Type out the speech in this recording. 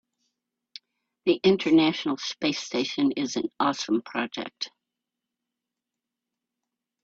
The international space station is an awesome project.